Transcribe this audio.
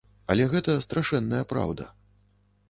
Але гэта страшэнная праўда.